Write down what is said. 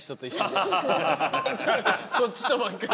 こっちとばっかり。